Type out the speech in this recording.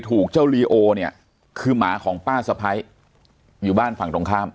ถูกเจ้าลีโอเนี่ยคือหมาของป้าสะพ้ายอยู่บ้านฝั่งตรงข้าม